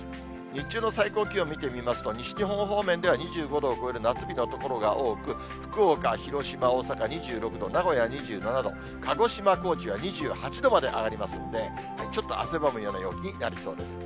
日中の最高気温見てみますと、西日本方面では２５度を超える夏日の所が多く、福岡、広島、大阪２６度、名古屋２７度、鹿児島、高知は２８度まで上がりますんで、ちょっと汗ばむような陽気になりそうです。